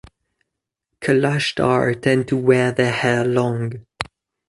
Kalashtar tend to wear their hair long.